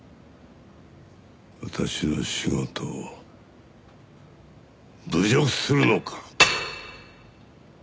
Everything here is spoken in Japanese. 私の仕事を侮辱するのか？